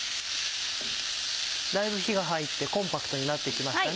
だいぶ火が入ってコンパクトになってきましたね。